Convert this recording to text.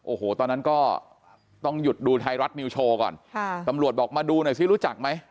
โอ้โหตอนนั้นก็ต้องหยุดดูไทยรัฐนิวโชว์ก่อนค่ะตำรวจบอกมาดูหน่อยซิรู้จักไหม